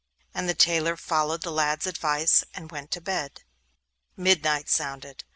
And the tailor followed his lad's advice, and went to bed. Midnight sounded.